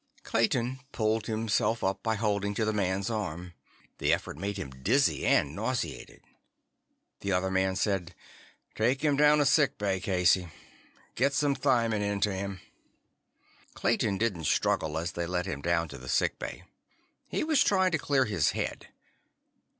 Clayton pulled himself up by holding to the man's arm. The effort made him dizzy and nauseated. The other man said: "Take him down to sick bay, Casey. Get some thiamin into him." Clayton didn't struggle as they led him down to the sick bay. He was trying to clear his head.